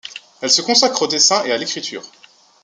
Elle se consacre au dessin et à l’écriture.